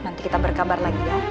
nanti kita berkabar lagi ya